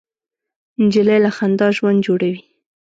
نجلۍ له خندا ژوند جوړوي.